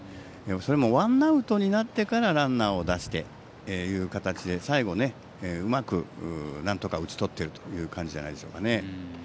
それもワンアウトになってからランナーを出すという形で最後、うまくなんとか打ち取っているという感じじゃないでしょうかね。